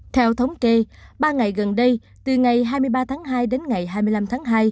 theo thống kê ba ngày gần đây từ ngày hai mươi ba tháng hai đến ngày hai mươi năm tháng hai